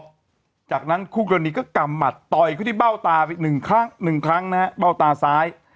มันจะออกจากนั้นคู่กรณีก็กำหมัดต่อยเขาที่เบ้าตา๑ครั้ง๑ครั้งนะเบ้าตาซ้าย